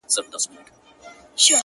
o په شيدو سوځلی مستې پو کي.